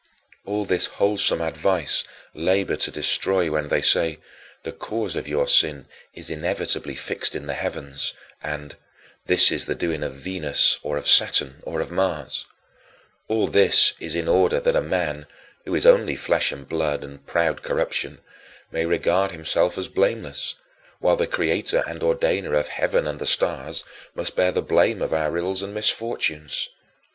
" All this wholesome advice [the astrologers] labor to destroy when they say, "The cause of your sin is inevitably fixed in the heavens," and, "This is the doing of Venus, or of Saturn, or of Mars" all this in order that a man, who is only flesh and blood and proud corruption, may regard himself as blameless, while the Creator and Ordainer of heaven and the stars must bear the blame of our ills and misfortunes.